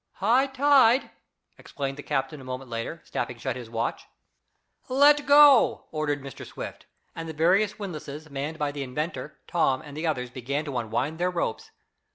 "High tide!" exclaimed the captain a moment later, snapping shut his watch. "Let go!" ordered Mr. Swift, and the various windlasses manned by the inventor, Tom and the others began to unwind their ropes.